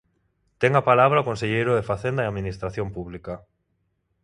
Ten a palabra o conselleiro de Facenda e Administración Pública.